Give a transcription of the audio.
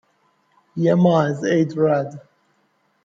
یه ماه از عید رد